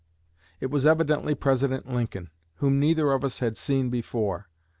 It was evidently President Lincoln, whom neither of us had seen before.